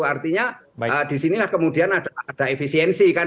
artinya di sinilah kemudian ada efisiensi kan